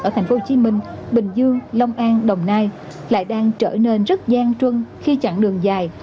ở tp hcm bình dương long an đồng nai lại đang trở nên rất gian trưng khi chặn đường dài